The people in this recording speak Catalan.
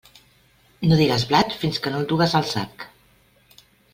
No digues blat fins que no el dugues al sac.